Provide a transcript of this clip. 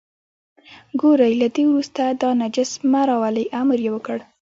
ګورئ له دې وروسته دا نجس مه راولئ، امر یې وکړ.